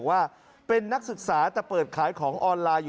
ไม่มีเหลือติดเราเลย